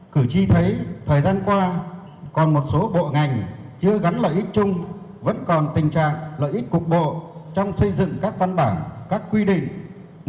cử tri thấy thời gian qua còn một số bộ ngành chưa gắn lợi ích chung vẫn còn tình trạng lợi ích cục bộ trong xây dựng các văn bản các quy định